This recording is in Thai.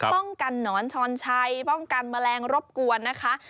ป้องกันหนอนช้อนชัยป้องกันแมลงรบกวนนะคะ